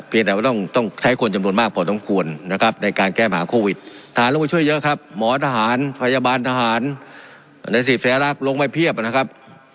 เพียงแต่ว่าต้องต้องใช้คนจำนวนมากพอต้องควรนะครับในการแก้มหาโควิดฐานแล้วก็ช่วยเยอะครับหมอทหารพยาบาลทหารในสิบแสลักลงไม่เพียบนะครับ